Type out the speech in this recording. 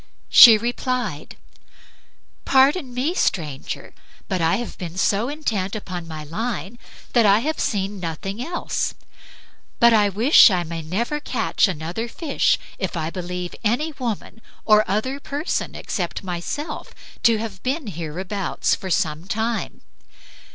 She replied, "Pardon me, stranger, but I have been so intent upon my line that I have seen nothing else; but I wish I may never catch another fish if I believe any woman or other person except myself to have been hereabouts for some time."